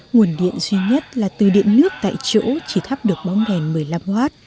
nguồn điện duy nhất là từ điện nước tại chỗ chỉ thắp được bóng đèn một mươi năm w